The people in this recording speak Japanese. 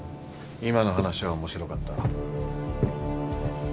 今の話は面白かった。